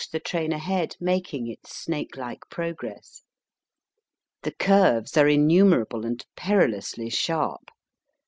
77 the train ahead making its snake like progress. The curves are innumerable and perilously sharp.